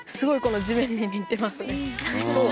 そう！